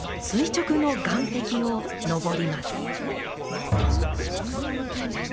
垂直の岩壁を登ります。